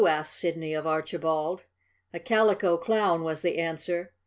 asked Sidney of Archibald. "A Calico Clown," was the answer.